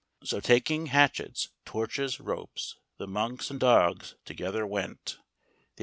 So taking hatchets, torches, ropes, The monks and dogs together went ; THE DOG.